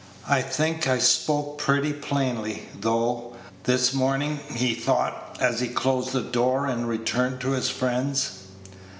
"I think I spoke pretty plainly, though, this morning," he thought, as he closed the door and returned to his friends.